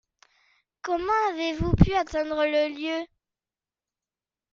Comment avez-vous pu atteindre le lieu ?